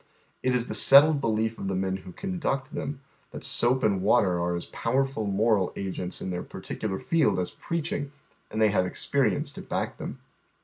It is the settled belief of the men who conduct them th it soap and watei are as pow erf ul moral agents m their pai titular field an pleaching, ind they have experience to back them.